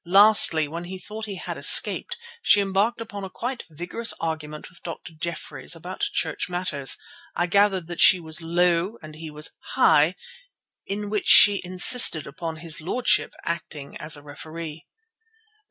Lastly, when he thought he had escaped, she embarked upon a quite vigorous argument with Dr. Jeffreys about church matters—I gathered that she was "low" and he was "high"—in which she insisted upon his lordship acting as referee.